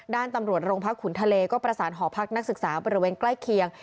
ด้านตำรวจโรงพักขุนทะเลก็ประสานหอพักนักศึกษาบริเวณใกล้เคียง